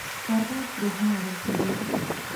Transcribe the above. سکاره برېښنا ورکوي.